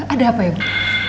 ada apa ibu